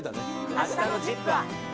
あしたのＺＩＰ！は。